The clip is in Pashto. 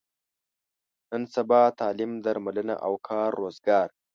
نن سبا تعلیم، درملنه او کار روزګار.